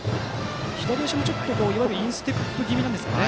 左足も、いわゆるインステップ気味なんですかね。